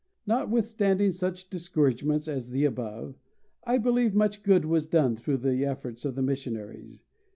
Notwithstanding such discouragements as the above, I believe much good was done through the efforts of the missionaries.